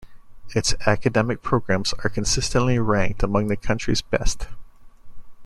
Its academic programs are consistently ranked among the country's best.